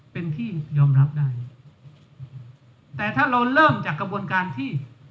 เป็นที่ยอมรับได้แต่ถ้าเราเริ่มจากกระบวนการที่